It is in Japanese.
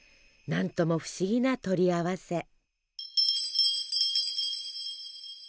何とも不思議な取り合わせ。